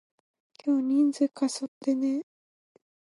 今日人数過疎ってね？